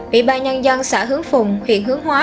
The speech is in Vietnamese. ủy ban nhân dân xã hướng phùng huyện hướng hóa